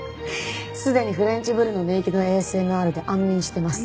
すでにフレンチブルの寝息のＡＳＭＲで安眠してます。